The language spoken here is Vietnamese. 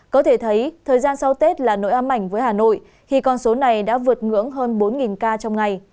có thể thấy thời gian sau tết là nỗi ám ảnh với hà nội khi con số này đã vượt ngưỡng hơn bốn ca trong ngày